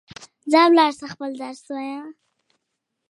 ځه ولاړ سه ، خپل درس ووایه